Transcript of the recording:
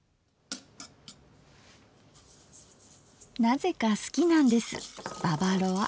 なぜか好きなんですババロア。